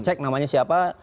cek namanya siapa